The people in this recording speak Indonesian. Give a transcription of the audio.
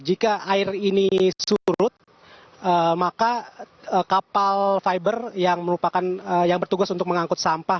jika air ini surut maka kapal fiber yang merupakan yang bertugas untuk mengangkut sampah